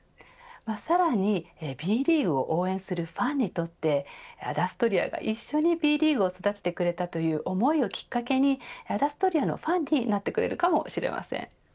さらにＢリーグを応援するファンにとってアダストリアが一緒にＢリーグを育ててくれたという思いをきっかけにアダストリアのファンになってくれるかもしれません。